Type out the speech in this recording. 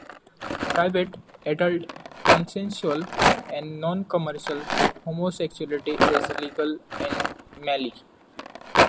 Private, adult, consensual and non-commercial homosexuality is legal in Mali.